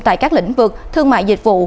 tại các lĩnh vực thương mại dịch vụ